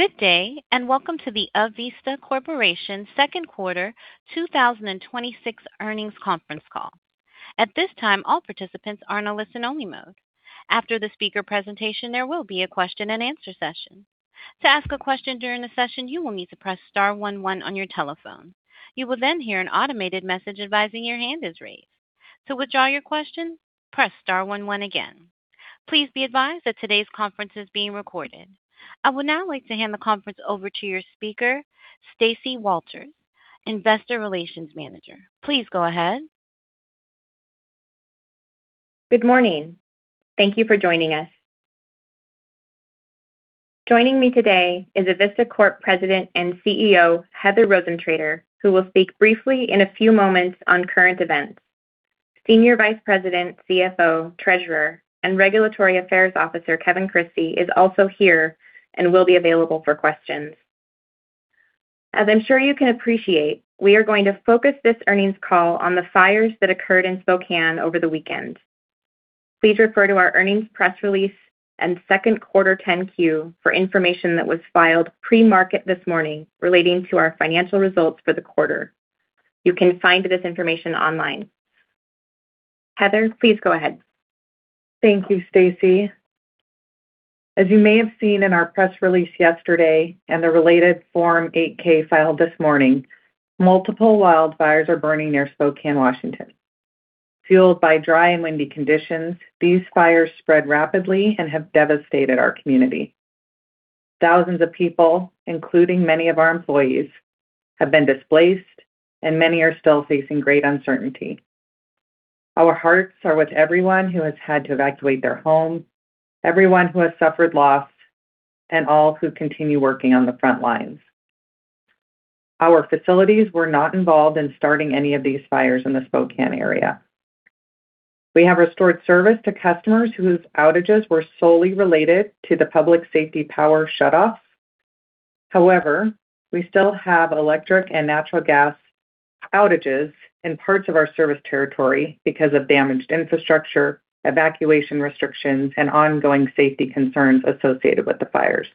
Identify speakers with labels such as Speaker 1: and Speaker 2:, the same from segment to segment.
Speaker 1: Good day, and welcome to the Avista Corporation second quarter 2026 earnings conference call. At this time, all participants are in a listen-only mode. After the speaker presentation, there will be a question-and-answer session. To ask a question during the session, you will need to press star one one on your telephone. You will then hear an automated message advising your hand is raised. To withdraw your question, press star one one again. Please be advised that today's conference is being recorded. I would now like to hand the conference over to your speaker, Stacey Walters, Investor Relations Manager. Please go ahead.
Speaker 2: Good morning. Thank you for joining us. Joining me today is Avista Corp President and CEO, Heather Rosentrater, who will speak briefly in a few moments on current events. Senior Vice President, CFO, Treasurer, and Regulatory Affairs Officer, Kevin Christie, is also here and will be available for questions. As I'm sure you can appreciate, we are going to focus this earnings call on the fires that occurred in Spokane over the weekend. Please refer to our earnings press release and second quarter 10-Q for information that was filed pre-market this morning relating to our financial results for the quarter. You can find this information online. Heather, please go ahead.
Speaker 3: Thank you, Stacey. As you may have seen in our press release yesterday and the related Form 8-K filed this morning, multiple wildfires are burning near Spokane, Washington. Fueled by dry and windy conditions, these fires spread rapidly and have devastated our community. Thousands of people, including many of our employees, have been displaced and many are still facing great uncertainty. Our hearts are with everyone who has had to evacuate their homes, everyone who has suffered loss, and all who continue working on the front lines. Our facilities were not involved in starting any of these fires in the Spokane area. We have restored service to customers whose outages were solely related to the public safety power shutoff. However, we still have electric and natural gas outages in parts of our service territory because of damaged infrastructure, evacuation restrictions, and ongoing safety concerns associated with the fires.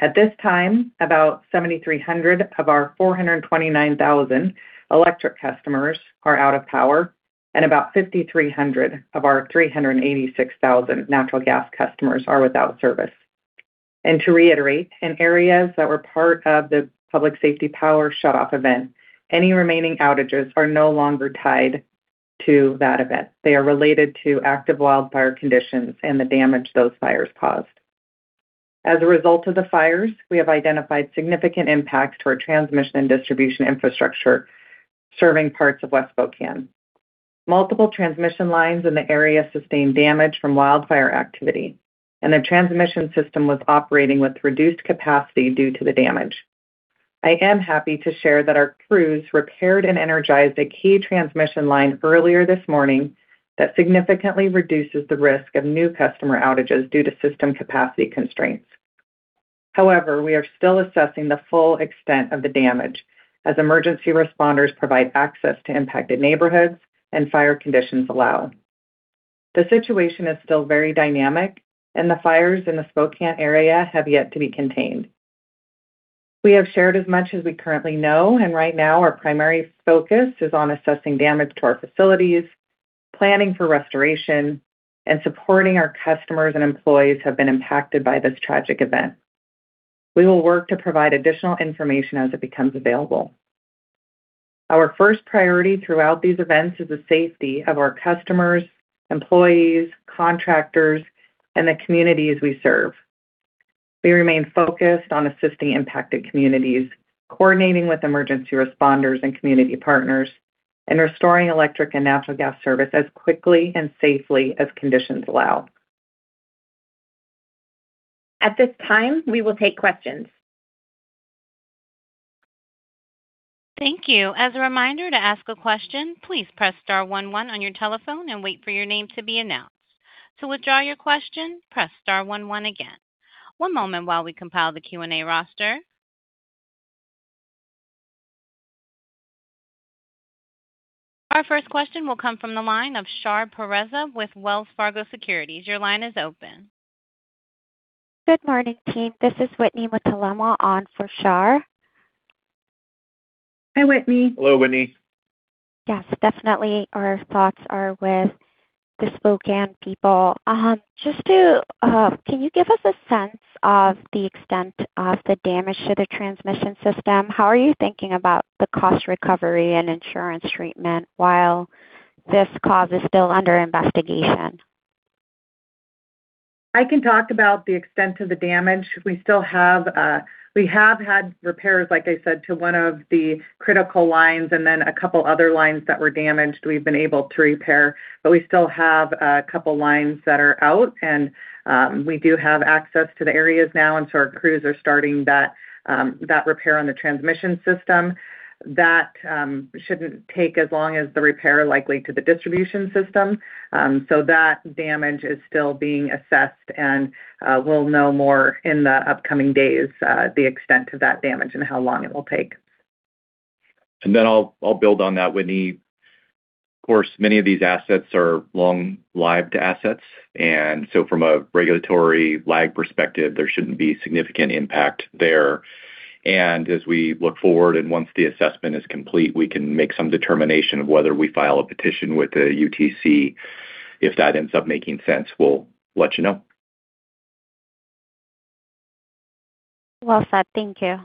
Speaker 3: At this time, about 7,300 of our 429,000 electric customers are out of power, and about 5,300 of our 386,000 natural gas customers are without service. To reiterate, in areas that were part of the public safety power shutoff event, any remaining outages are no longer tied to that event. They are related to active wildfire conditions and the damage those fires caused. As a result of the fires, we have identified significant impacts to our transmission and distribution infrastructure serving parts of West Spokane. Multiple transmission lines in the area sustained damage from wildfire activity, and the transmission system was operating with reduced capacity due to the damage. I am happy to share that our crews repaired and energized a key transmission line earlier this morning that significantly reduces the risk of new customer outages due to system capacity constraints. However, we are still assessing the full extent of the damage as emergency responders provide access to impacted neighborhoods and fire conditions allow. The situation is still very dynamic, and the fires in the Spokane area have yet to be contained. We have shared as much as we currently know, right now our primary focus is on assessing damage to our facilities, planning for restoration, and supporting our customers and employees who have been impacted by this tragic event. We will work to provide additional information as it becomes available. Our first priority throughout these events is the safety of our customers, employees, contractors, and the communities we serve. We remain focused on assisting impacted communities, coordinating with emergency responders and community partners, and restoring electric and natural gas service as quickly and safely as conditions allow.
Speaker 2: At this time, we will take questions.
Speaker 1: Thank you. As a reminder, to ask a question, please press star one one on your telephone and wait for your name to be announced. To withdraw your question, press star one one again. One moment while we compile the Q&A roster. Our first question will come from the line of Shar Pourreza with Wells Fargo Securities. Your line is open.
Speaker 4: Good morning, team. This is Whitney Mutalemwa on for Shar.
Speaker 3: Hi, Whitney.
Speaker 5: Hello, Whitney.
Speaker 4: Yes, definitely our thoughts are with the Spokane people. Can you give us a sense of the extent of the damage to the transmission system? How are you thinking about the cost recovery and insurance treatment while this cause is still under investigation?
Speaker 3: I can talk about the extent of the damage. We have had repairs, like I said, to one of the critical lines, then a couple other lines that were damaged we've been able to repair, but we still have a couple lines that are out. We do have access to the areas now, our crews are starting that repair on the transmission system. That shouldn't take as long as the repair likely to the distribution system. That damage is still being assessed, and we'll know more in the upcoming days the extent of that damage and how long it will take.
Speaker 5: I'll build on that, Whitney. Of course, many of these assets are long-lived assets, from a regulatory lag perspective, there shouldn't be significant impact there. As we look forward and once the assessment is complete, we can make some determination of whether we file a petition with the UTC. If that ends up making sense, we'll let you know.
Speaker 4: Well said. Thank you.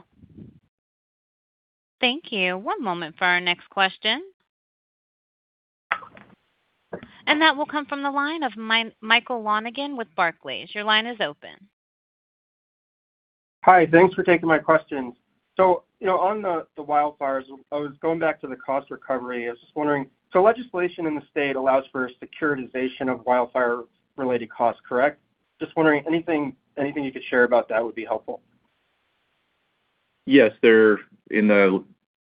Speaker 1: Thank you. One moment for our next question. That will come from the line of Michael Lonegan with Barclays. Your line is open.
Speaker 6: Hi. Thanks for taking my questions. On the wildfires, I was going back to the cost recovery. I was just wondering, legislation in the state allows for securitization of wildfire-related costs, correct? Just wondering, anything you could share about that would be helpful.
Speaker 5: Yes. In the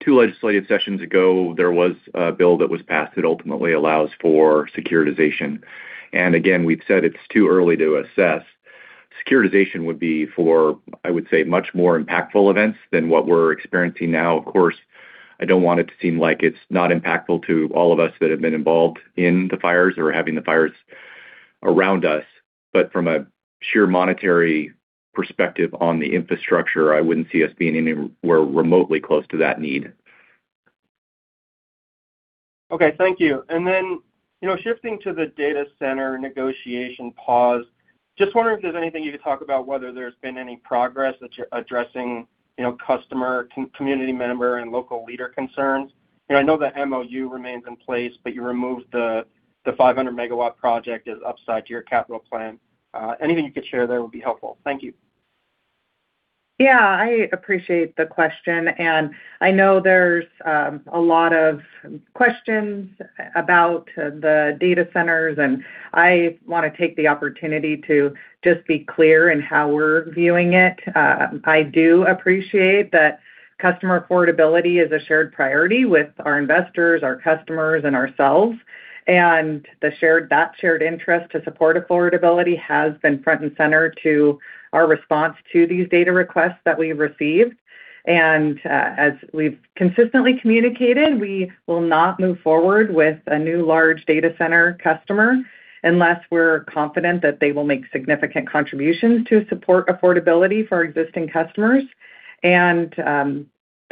Speaker 5: two legislative sessions ago, there was a bill that was passed that ultimately allows for securitization. Again, we've said it's too early to assess. Securitization would be for, I would say, much more impactful events than what we're experiencing now. Of course, I don't want it to seem like it's not impactful to all of us that have been involved in the fires or having the fires around us, but from a sheer monetary perspective on the infrastructure, I wouldn't see us being anywhere remotely close to that need.
Speaker 6: Okay. Thank you. Shifting to the data center negotiation pause, just wondering if there's anything you could talk about whether there's been any progress that you're addressing customer, community member, and local leader concerns. I know the MoU remains in place, but you removed the 500 MW project as upside to your capital plan. Anything you could share there would be helpful. Thank you.
Speaker 3: Yeah. I appreciate the question. I know there's a lot of questions about the data centers, and I want to take the opportunity to just be clear in how we're viewing it. I do appreciate that customer affordability is a shared priority with our investors, our customers, and ourselves. That shared interest to support affordability has been front and center to our response to these data requests that we've received. As we've consistently communicated, we will not move forward with a new large data center customer unless we're confident that they will make significant contributions to support affordability for existing customers.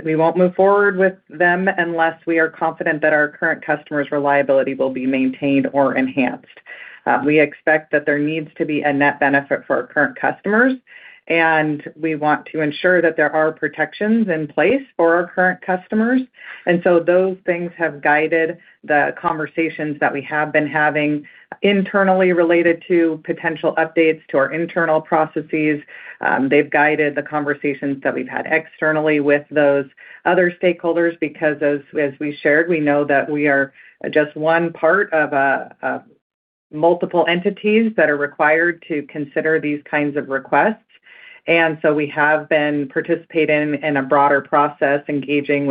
Speaker 3: We won't move forward with them unless we are confident that our current customers' reliability will be maintained or enhanced. We expect that there needs to be a net benefit for our current customers, and we want to ensure that there are protections in place for our current customers. Those things have guided the conversations that we have been having internally related to potential updates to our internal processes. They've guided the conversations that we've had externally with those other stakeholders because as we shared, we know that we are just one part of multiple entities that are required to consider these kinds of requests. We have been participating in a broader process, engaging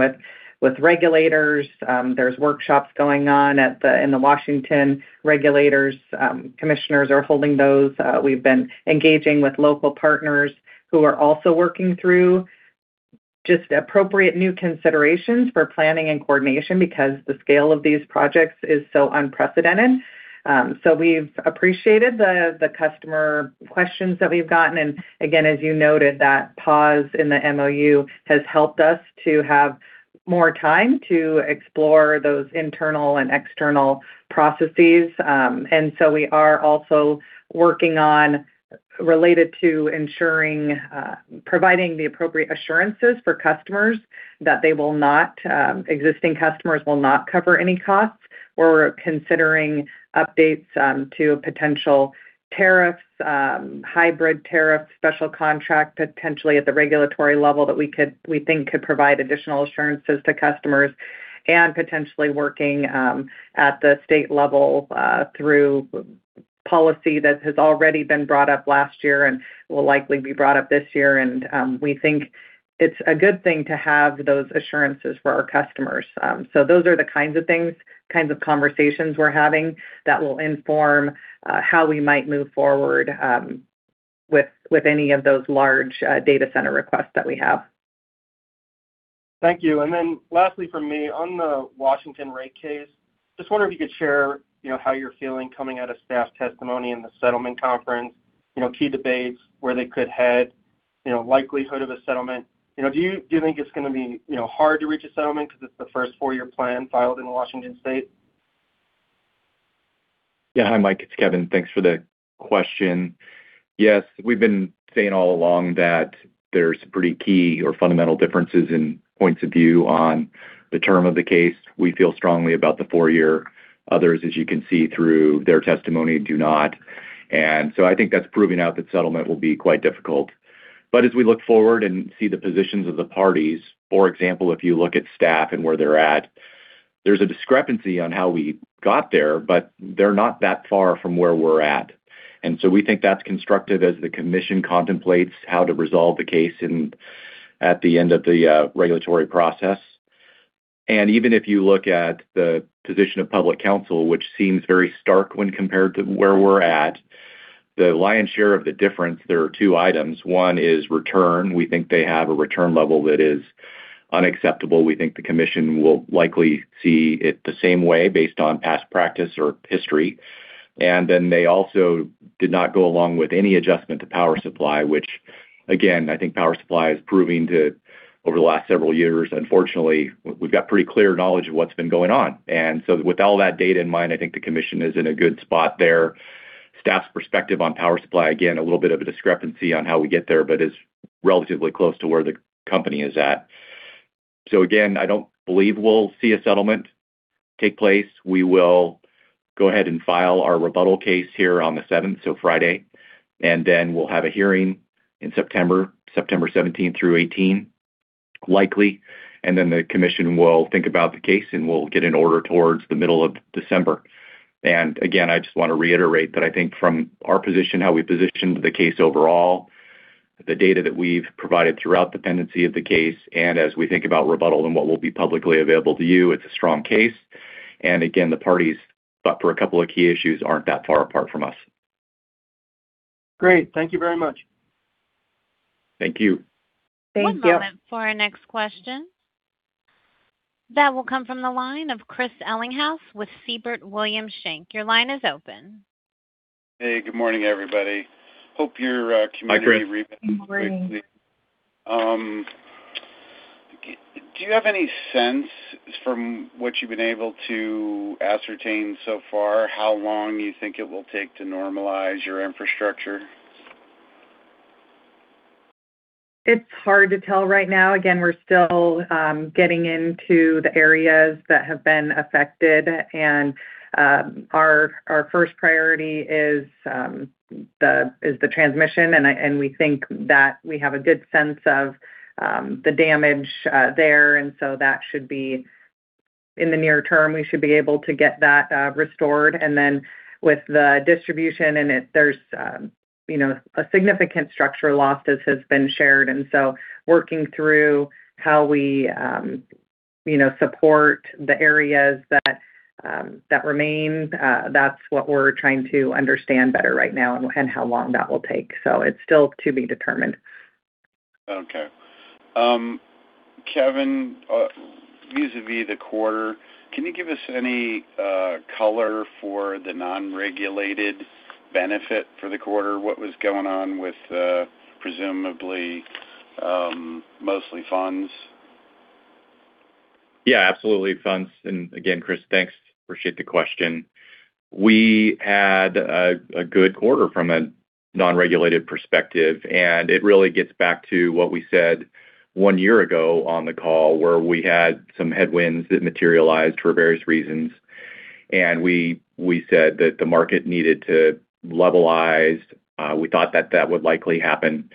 Speaker 3: with regulators. There's workshops going on in the Washington regulators. Commissioners are holding those. We've been engaging with local partners who are also working through just appropriate new considerations for planning and coordination because the scale of these projects is so unprecedented. We've appreciated the customer questions that we've gotten. As you noted, that pause in the MoU has helped us to have more time to explore those internal and external processes. We are also working on related to ensuring, providing the appropriate assurances for customers that existing customers will not cover any costs. We're considering updates to potential tariffs, hybrid tariffs, special contract potentially at the regulatory level that we think could provide additional assurances to customers and potentially working at the state level, through policy that has already been brought up last year and will likely be brought up this year. We think it's a good thing to have those assurances for our customers. Those are the kinds of things, kinds of conversations we're having that will inform how we might move forward with any of those large data center requests that we have.
Speaker 6: Thank you. Lastly from me, on the Washington rate case, just wondering if you could share how you're feeling coming out of staff testimony in the settlement conference, key debates, where they could head, likelihood of a settlement. Do you think it's going to be hard to reach a settlement because it's the first four-year plan filed in Washington State?
Speaker 5: Yeah. Hi, Mike. It's Kevin. Thanks for the question. Yes. We've been saying all along that there's pretty key or fundamental differences in points of view on the term of the case. We feel strongly about the four-year. Others, as you can see through their testimony, do not. I think that's proving out that settlement will be quite difficult. As we look forward and see the positions of the parties, for example, if you look at staff and where they're at, there's a discrepancy on how we got there, but they're not that far from where we're at. We think that's constructive as the commission contemplates how to resolve the case at the end of the regulatory process. Even if you look at the position of public counsel, which seems very stark when compared to where we're at The Lion's share of the difference, there are two items. One is return. We think they have a return level that is unacceptable. We think the commission will likely see it the same way based on past practice or history. They also did not go along with any adjustment to power supply, which again, I think power supply is proving that over the last several years, unfortunately, we've got pretty clear knowledge of what's been going on. With all that data in mind, I think the commission is in a good spot there. Staff's perspective on power supply, again, a little bit of a discrepancy on how we get there, but is relatively close to where the company is at. Again, I don't believe we'll see a settlement take place. We will go ahead and file our rebuttal case here on the 7th, so Friday, then we'll have a hearing in September 17-18, likely. Then the Commission will think about the case, and we'll get an order towards the middle of December. Again, I just want to reiterate that I think from our position, how we positioned the case overall, the data that we've provided throughout the pendency of the case, and as we think about rebuttal and what will be publicly available to you, it's a strong case. Again, the parties, but for a couple of key issues, aren't that far apart from us.
Speaker 6: Great. Thank you very much.
Speaker 5: Thank you.
Speaker 3: Thank you.
Speaker 1: One moment for our next question. That will come from the line of Chris Ellinghaus with Siebert Williams Shank. Your line is open.
Speaker 7: Hey, good morning, everybody-
Speaker 3: [inaudible]
Speaker 7: ...briefing went quickly. Do you have any sense from what you've been able to ascertain so far how long you think it will take to normalize your infrastructure?
Speaker 3: It's hard to tell right now. Again, we're still getting into the areas that have been affected. Our first priority is the transmission, and we think that we have a good sense of the damage there. In the near term, we should be able to get that restored. With the distribution in it, there's a significant structure loss as has been shared. Working through how we support the areas that remain, that's what we're trying to understand better right now and how long that will take. It's still to be determined.
Speaker 7: Okay. Kevin, vis-a-vis the quarter, can you give us any color for the non-regulated benefit for the quarter? What was going on with presumably mostly funds?
Speaker 5: Yeah, absolutely, funds. Again, Chris, thanks. Appreciate the question. We had a good quarter from a non-regulated perspective, and it really gets back to what we said one year ago on the call where we had some headwinds that materialized for various reasons. We said that the market needed to levelize. We thought that that would likely happen.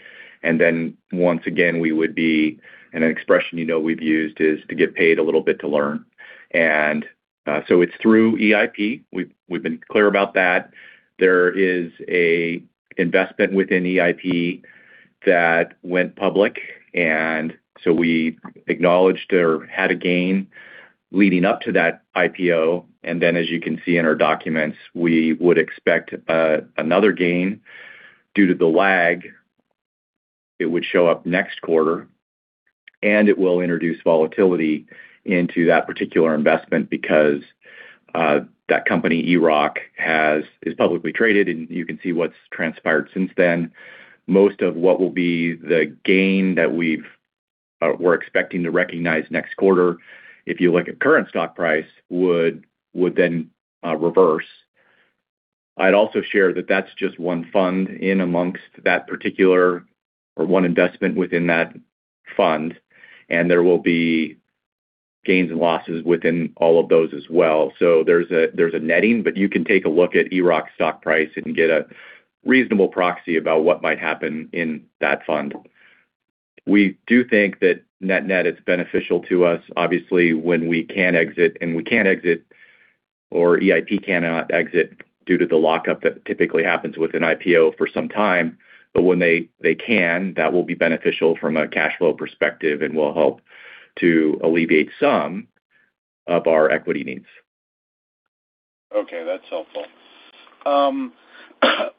Speaker 5: Once again, we would be, and an expression you know we've used is to get paid a little bit to learn. It's through EIP. We've been clear about that. There is an investment within EIP that went public, and so we acknowledged or had a gain leading up to that IPO. As you can see in our documents, we would expect another gain due to the lag. It would show up next quarter, and it will introduce volatility into that particular investment because that company, ERock, is publicly traded, and you can see what's transpired since then. Most of what will be the gain that we're expecting to recognize next quarter, if you look at current stock price, would then reverse. I'd also share that that's just one fund in amongst that particular or one investment within that fund, and there will be gains and losses within all of those as well. There's a netting, you can take a look at ERock stock price and get a reasonable proxy about what might happen in that fund. We do think that net is beneficial to us, obviously, when we can exit, and we can't exit, or EIP cannot exit due to the lockup that typically happens with an IPO for some time. When they can, that will be beneficial from a cash flow perspective and will help to alleviate some of our equity needs.
Speaker 7: Okay, that's helpful.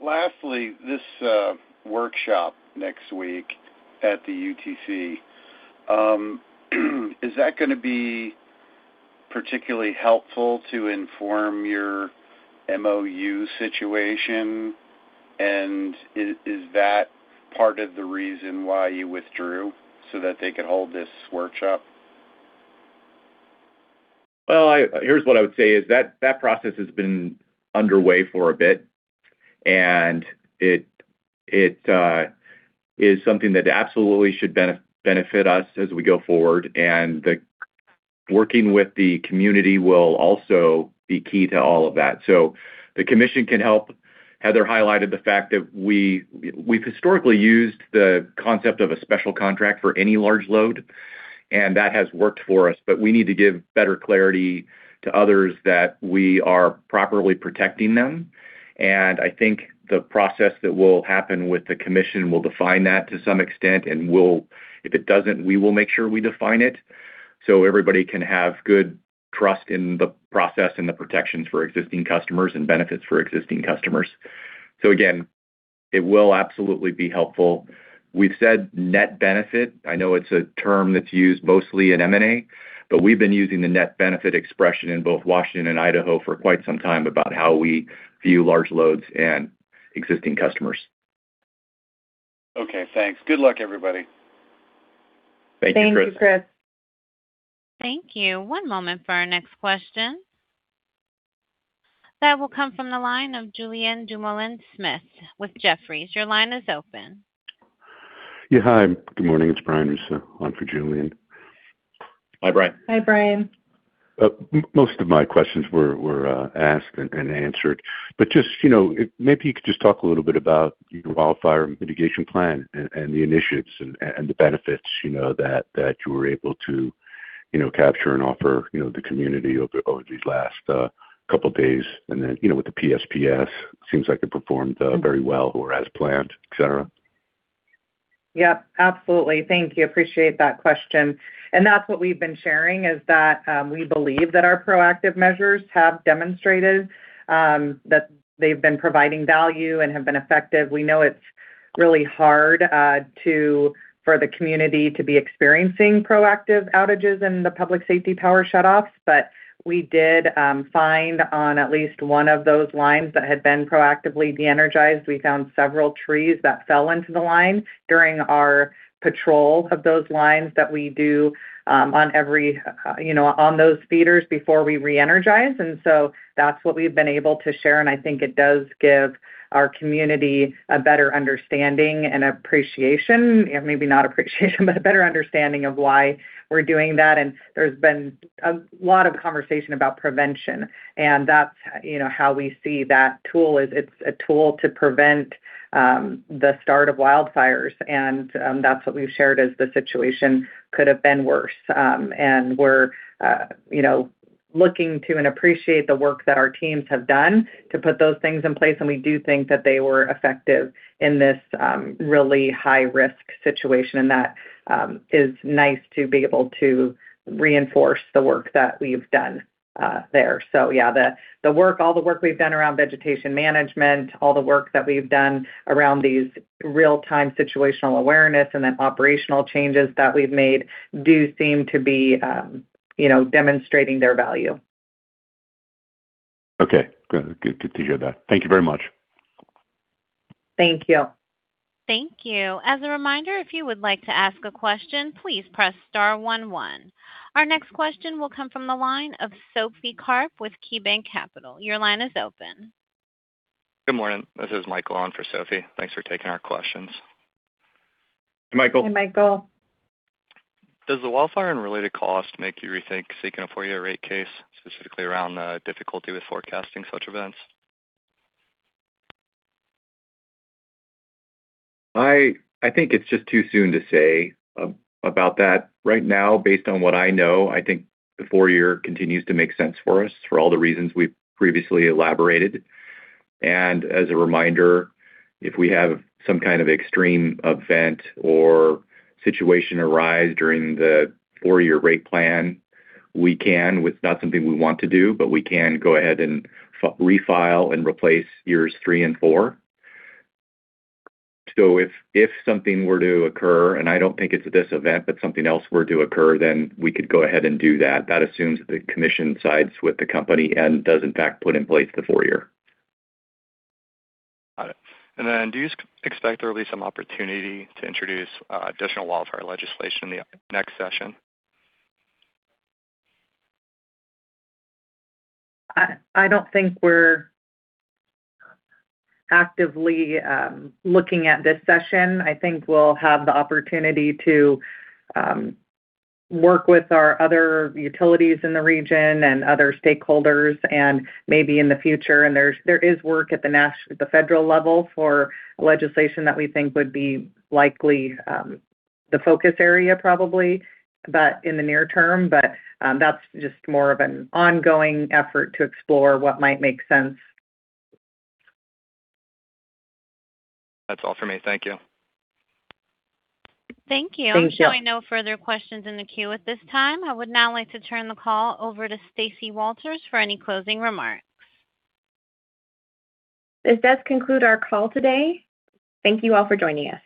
Speaker 7: Lastly, this workshop next week at the UTC, is that going to be particularly helpful to inform your MoU situation? Is that part of the reason why you withdrew so that they could hold this workshop?
Speaker 5: Well, here's what I would say is that process has been underway for a bit, and it is something that absolutely should benefit us as we go forward. Working with the community will also be key to all of that. The commission can help. Heather highlighted the fact that we've historically used the concept of a special contract for any large load, and that has worked for us. We need to give better clarity to others that we are properly protecting them. I think the process that will happen with the commission will define that to some extent, and if it doesn't, we will make sure we define it. Everybody can have good trust in the process and the protections for existing customers and benefits for existing customers. Again, it will absolutely be helpful. We've said net benefit. I know it's a term that's used mostly in M&A, but we've been using the net benefit expression in both Washington and Idaho for quite some time about how we view large loads and existing customers.
Speaker 7: Okay, thanks. Good luck, everybody.
Speaker 5: Thank you, Chris.
Speaker 3: Thank you, Chris.
Speaker 1: Thank you. One moment for our next question. That will come from the line of Julien Dumoulin-Smith with Jefferies. Your line is open.
Speaker 8: Yeah, hi. Good morning. It's Brian on for Julien.
Speaker 5: Hi, Brian.
Speaker 3: Hi, Brian.
Speaker 8: Most of my questions were asked and answered. Just maybe you could just talk a little bit about your wildfire mitigation plan and the initiatives and the benefits that you were able to capture and offer the community over these last couple of days. With the PSPS, seems like it performed very well or as planned, etc.
Speaker 3: Yep, absolutely. Thank you. Appreciate that question. That's what we've been sharing, is that we believe that our proactive measures have demonstrated that they've been providing value and have been effective. We know it's really hard for the community to be experiencing proactive outages in the public safety power shutoffs, but we did find on at least one of those lines that had been proactively de-energized, we found several trees that fell into the line during our patrol of those lines that we do on those feeders before we re-energize. That's what we've been able to share, and I think it does give our community a better understanding and appreciation. Maybe not appreciation, but a better understanding of why we're doing that. There's been a lot of conversation about prevention, and that's how we see that tool, is it's a tool to prevent the start of wildfires. That's what we've shared as the situation could have been worse. We're looking to and appreciate the work that our teams have done to put those things in place, and we do think that they were effective in this really high-risk situation. That is nice to be able to reinforce the work that we've done there. Yeah, all the work we've done around vegetation management, all the work that we've done around these real-time situational awareness and then operational changes that we've made do seem to be demonstrating their value.
Speaker 8: Okay, good to hear that. Thank you very much.
Speaker 3: Thank you.
Speaker 1: Thank you. As a reminder, if you would like to ask a question, please press star one one. Our next question will come from the line of Sophie Karp with KeyBanc Capital. Your line is open.
Speaker 9: Good morning. This is Michael on for Sophie. Thanks for taking our questions.
Speaker 5: Hi, Michael.
Speaker 3: Hi, Michael.
Speaker 9: Does the wildfire and related cost make you rethink seeking a four-year rate case, specifically around the difficulty with forecasting such events?
Speaker 5: I think it's just too soon to say about that right now. Based on what I know, I think the four-year continues to make sense for us for all the reasons we've previously elaborated. As a reminder, if we have some kind of extreme event or situation arise during the four-year rate plan, we can. It's not something we want to do, but we can go ahead and refile and replace years three and four. If something were to occur, and I don't think it's this event, but something else were to occur, then we could go ahead and do that. That assumes the commission sides with the company and does in fact put in place the four-year.
Speaker 9: Got it. Do you expect there will be some opportunity to introduce additional wildfire legislation in the next session?
Speaker 3: I don't think we're actively looking at this session. I think we'll have the opportunity to work with our other utilities in the region and other stakeholders and maybe in the future. There is work at the federal level for legislation that we think would be likely the focus area probably, but in the near term. That's just more of an ongoing effort to explore what might make sense.
Speaker 9: That's all for me. Thank you.
Speaker 1: Thank you.
Speaker 5: Thank you.
Speaker 1: Showing no further questions in the queue at this time, I would now like to turn the call over to Stacey Walters for any closing remarks.
Speaker 2: This does conclude our call today. Thank you all for joining us.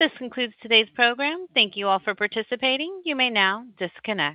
Speaker 1: This concludes today's program. Thank you all for participating. You may now disconnect.